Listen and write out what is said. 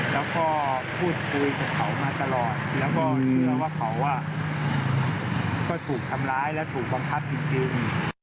แล้วก็พูดคุยกับเขามาตลอดแล้วก็มีมาว่าเขาก็ถูกทำร้ายและถูกบังคับจริง